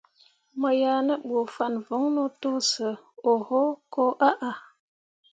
Mo yah ne bu fah voŋno to sə oho koo ahah.